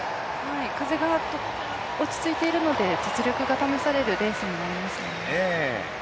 風が落ち着いているので実力が試されるレースになりますね。